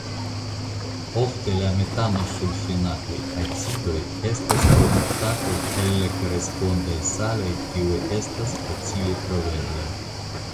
Ofte la metanosulfinataj acidoj estas produktataj el la korespondaj saloj kiuj estas facile troveblaj.